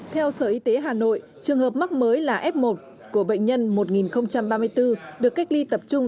theo sở y tế hà nội trường hợp mắc mới là f một của bệnh nhân một nghìn ba mươi bốn được cách ly tập trung